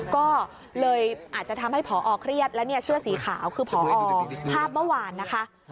ก็เลยอาจจะทำให้ผอเครียดและเนี่ยเสื้อสีขาวคือพอภาพเมื่อวานนะคะ